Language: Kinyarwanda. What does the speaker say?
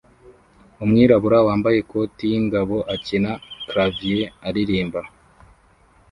Umwirabura wambaye ikoti yingabo akina clavier aririmba